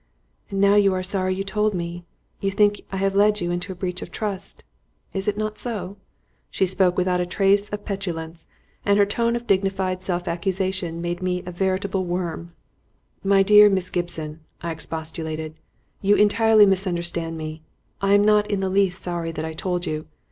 "And now you are sorry you told me; you think I have led you into a breach of trust. Is it not so?" She spoke without a trace of petulance, and her tone of dignified self accusation made me feel a veritable worm. "My dear Miss Gibson," I expostulated, "you entirely misunderstand me. I am not in the least sorry that I told you.